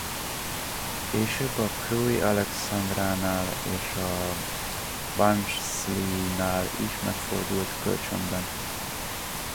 Később a Crewe Alexandránál és a Barnsleynál is megfordult kölcsönben.